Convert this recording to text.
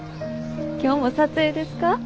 今日も撮影ですか？